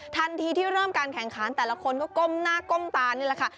ที่เริ่มการแข่งขันแต่ละคนก็ก้มหน้าก้มตานี่แหละค่ะ